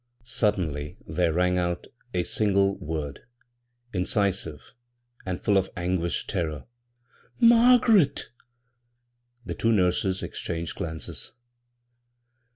Suddenly there rang out a ^ngle word, indeive and full of anguished terror —" Margaret !" The two nurses exchanged glances.